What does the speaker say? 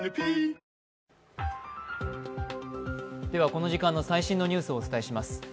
この時間の最新のニュースをお伝えします。